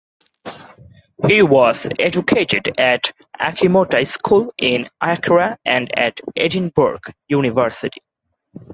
He was educated at Achimota School in Accra and at Edinburgh University.